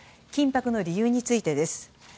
緊迫の理由についてです。